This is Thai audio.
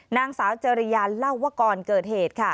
นางสาวจริยานเล่าว่าก่อนเกิดเหตุค่ะ